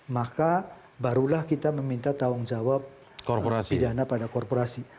maka barulah kita meminta tawang jawab pidana pada korporasi